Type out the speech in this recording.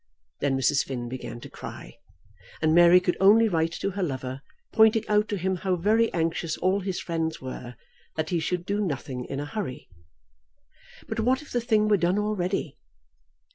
Then Mrs. Finn began to cry; and Mary could only write to her lover, pointing out to him how very anxious all his friends were that he should do nothing in a hurry. But what if the thing were done already!